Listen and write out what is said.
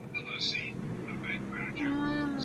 hawa walijigawa katika mashirika mbalimbali kama ifuatavyo